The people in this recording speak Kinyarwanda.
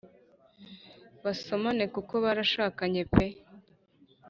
basomane kuko barashakanye pe